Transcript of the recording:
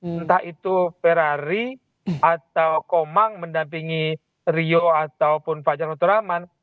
entah itu ferrari atau komang mendampingi rio ataupun fajar nuturaman